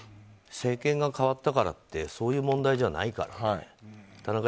政権が代わったからってそういう問題じゃないからね。